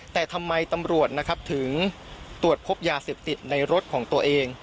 แต่ทำไมตำรวจนะครับถึงตรวจพบยาเสพติดในรถของตัวเอง